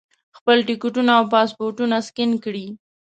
خپل ټکټونه او پاسپورټونه سکین کړي.